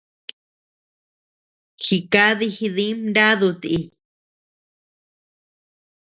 Jikadi jidi mnadu ti.